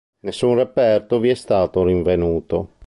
Nessun reperto vi è stato rinvenuto.